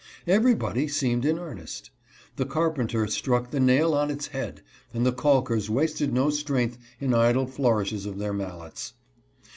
Everybody seemed in earnest. The carpenter struck the nail on its heady and the calkers wasted no strength in idle flourishes of their mallets.